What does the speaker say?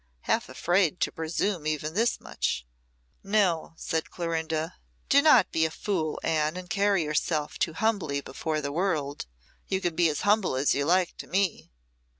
half afraid to presume even this much. "No," said Clorinda. "Do not be a fool, Anne, and carry yourself too humbly before the world. You can be as humble as you like to me."